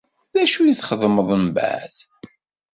D acu i txedmeḍ mbeεd?